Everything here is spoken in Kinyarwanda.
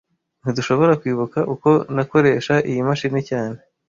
Ntidushobora kwibuka uko nakoresha iyi mashini cyane